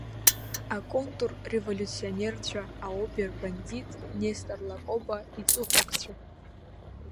Аконтрреволиуционерцәа, аобер бандит Нестор Лакоба иҵыхәакцәа.